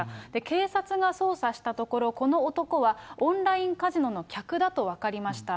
警察が捜査したところ、この男は、オンラインカジノの客だと分かりました。